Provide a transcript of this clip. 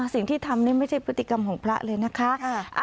สิ่งที่ทำนี่ไม่ใช่พฤติกรรมของพระเลยนะคะ